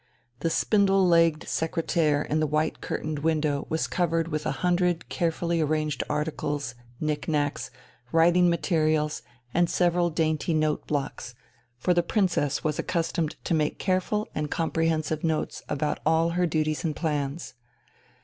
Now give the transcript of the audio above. The spindle legged secretaire in the white curtained window was covered with a hundred carefully arranged articles, knick knacks, writing materials, and several dainty note blocks for the Princess was accustomed to make careful and comprehensive notes about all her duties and plans.